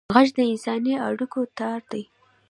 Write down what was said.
غږ د انساني اړیکو تار دی